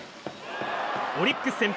オリックス先発